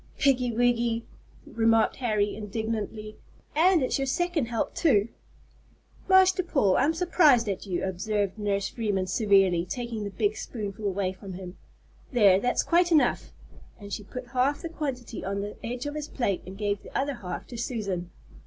"Piggy wiggy," remarked Harry, indignantly; "and it's your second help too!" "Master Paul, I'm surprised at you," observed Nurse Freeman severely, taking the big spoonful away from him. "There, that's quite enough," and she put half the quantity on the edge of his plate and gave the other half to Susan.